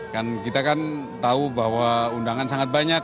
kan kita kan tahu bahwa undangan sangat banyak